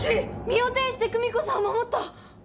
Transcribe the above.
身を挺して久美子さんを守った。